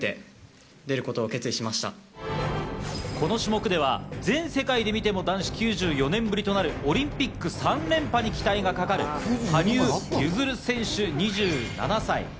この種目では全世界で見ても男子９４年ぶりとなるオリンピック３連覇へ期待がかかる羽生結弦選手２７歳。